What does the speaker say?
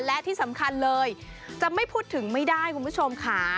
และที่สำคัญเลยจะไม่พูดถึงไม่ได้คุณผู้ชมค่ะ